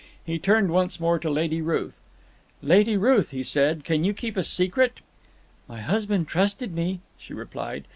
He turned once more to Lady Ruth. "Lady Ruth," he said, "can you keep a secret?" "My husband trusted me," she replied.